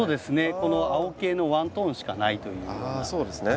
この青系のワントーンしかないというような感じですね。